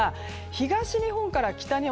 東日本から北日本